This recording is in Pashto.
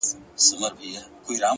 • ترې به سترگه ايستل كېږي په سيخونو,